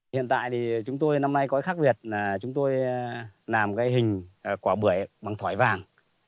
hiện tại thì chúng tôi năm nay có cái khác biệt là chúng tôi làm cái hình quả bưởi bằng thỏi vàng